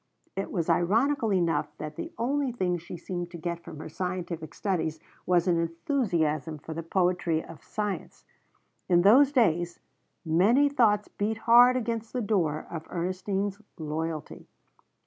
It was ironical enough that the only thing she seemed to get from her scientific studies was an enthusiasm for the poetry of science. In those days many thoughts beat hard against the door of Ernestine's loyalty.